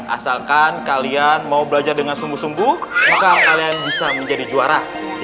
asalkan kalian mau belajar dengan sungguh sungguh maka kalian bisa menjadi juara